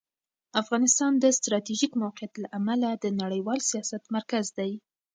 افغانستان د ستراتیژیک موقعیت له امله د نړیوال سیاست مرکز دی.